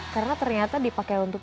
karena ternyata dipakai untuk hidung